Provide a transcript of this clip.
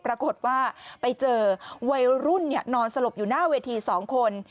ปรากฏว่าไปเจอวัยรุ่นนอนสลบอยู่หน้าเวที๒คน